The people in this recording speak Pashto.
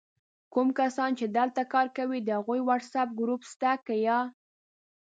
کوم کسان چې دلته کار کوي د هغوي وټس آپ ګروپ سته که یا؟!